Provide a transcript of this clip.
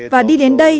và đi đến đây